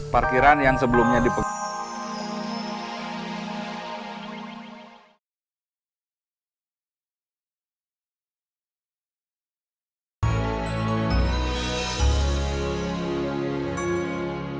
parkiran yang sebelumnya dipegang